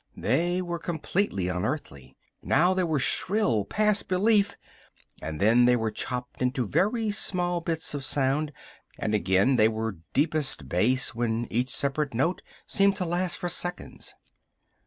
They were completely unearthly. Now they were shrill past belief, and then they were chopped into very small bits of sound, and again they were deepest bass, when each separate note seemed to last for seconds.